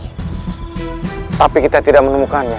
hai tapi kita tidak menemukannya